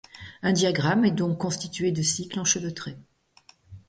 Un diagramme est donc constitué de cycles enchevêtrés.